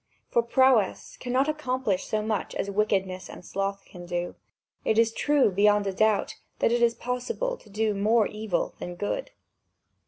For prowess cannot accomplish so much as wickedness and sloth can do: it is true beyond a doubt that it is possible to do more evil than good.